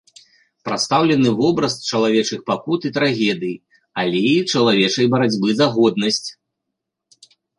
Прадстаўлены вобраз чалавечых пакут і трагедый, але і чалавечай барацьбы за годнасць.